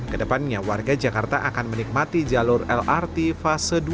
kedepannya warga jakarta akan menikmati jalur lrt fase dua